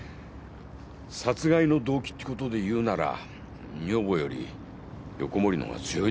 殺害の動機ってことでいうなら女房より横森の方が強いでしょ。